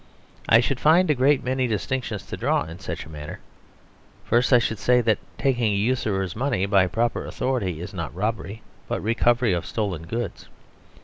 I should find a great many distinctions to draw in such a matter. First, I should say that taking a usurer's money by proper authority is not robbery, but recovery of stolen goods.